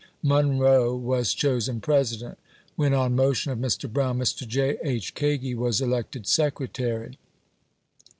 Mun roe was chosen President ; when, on motion of Mr. Brown, Mr. J, H. Kagi was elected Secretary.